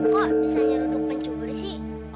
kok bisa nyuruh duk pencu bersih